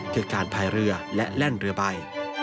คือการพายเรือและแล่นเรือใบ